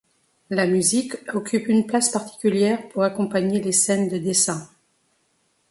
La musique occupe une place particulière pour accompagner les scènes de dessin.